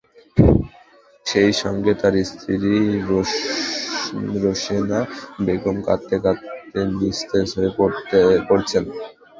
সেই সঙ্গে তাঁর স্ত্রী রোশেনা বেগম কাঁদতে কাঁদতে নিস্তেজ হয়ে পড়ছেন।